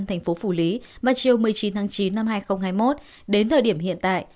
thành phố phủ lý mà chiều một mươi chín tháng chín năm hai nghìn hai mươi một đến thời điểm hiện tại